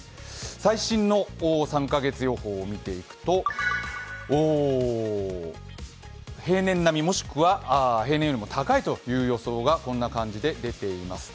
最新の３か月予報を見ていくと、平年並みもしくは平年より高い予想が出ています。